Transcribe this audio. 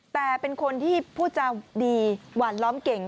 แต่เป็นคนที่พูดจาดีหวานล้อมเก่ง